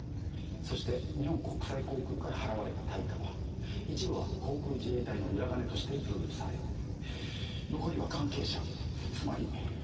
そして日本国際航空から払われた対価は一部は航空自衛隊の裏金としてプールされ残りは関係者つまり。